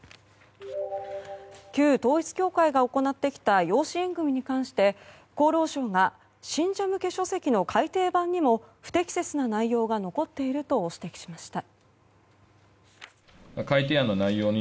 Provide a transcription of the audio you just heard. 旧統一教会が行ってきた養子縁組に関して厚労省が信者向け書籍の改訂版にも不適切な内容が残っていると指摘しました。